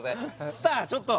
スターちょっと！